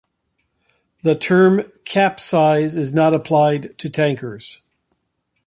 The term "capesize" is not applied to tankers.